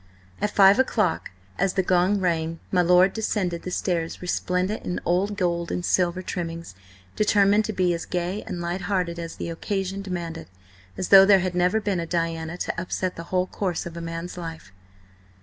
At five o'clock, as the gong rang, my lord descended the stairs resplendent in old gold and silver trimmings, determined to be as gay and light hearted as the occasion demanded, as though there had never been a Diana to upset the whole course of a man's life.